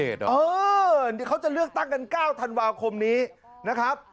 เดี๋ยวเขาจะเลือกตั้งกัน๙ธันวาคมนี้นะครับ